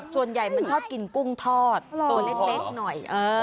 ส่วนใหญ่มันชอบกินกุ้งทอดตัวเล็กหน่อย